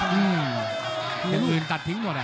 อย่างอื่นตัดทิ้งหมดอ่ะ